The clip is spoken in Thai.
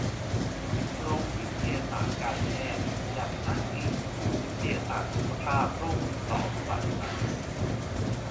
กรมวิทยาศาสตร์การแพทย์ แล็บอ้างอิง ศูนย์วิทยาศาสตร์สุขภาพโรคติดต่ออุบัติใหม่